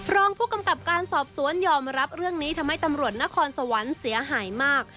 รองผู้กำกับการสอบสวนยอมรับเรื่องนี้ทำให้ตำรวจนครสวรรค์เสียหายมาก